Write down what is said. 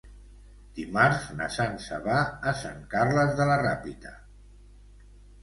Dimarts na Sança va a Sant Carles de la Ràpita.